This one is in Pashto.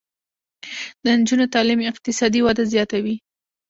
د نجونو تعلیم اقتصادي وده زیاتوي.